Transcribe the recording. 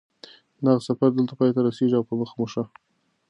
دغه سفر دلته پای ته رسېږي او په مخه مو ښه